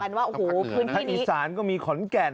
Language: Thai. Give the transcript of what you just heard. เห็นเขาบอกกันว่าอีสานก็มีขนแก่น